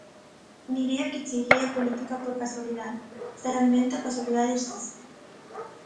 Diría que cheguei á política por casualidade, se realmente a casualidade existe.